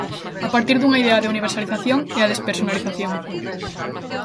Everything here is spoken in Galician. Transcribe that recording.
A partir dunha idea de universalización e a despersonalización.